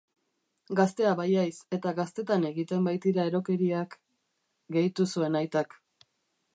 Gaztea baihaiz, eta gaztetan egiten baitira erokeriak..., gehitu zuen aitak.